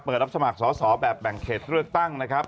รับสมัครสอสอแบบแบ่งเขตเลือกตั้งนะครับ